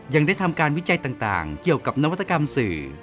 ยังได้ทำการวิจัยต่างเกี่ยวกับนวัตกรรมสื่อ